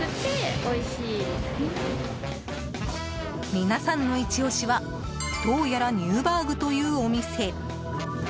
皆さんのイチ押しはどうやらニューバーグというお店。